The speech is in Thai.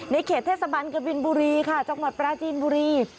เขตเทศบันกบินบุรีค่ะจังหวัดปราจีนบุรี